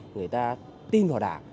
người ta tin vào đảng viên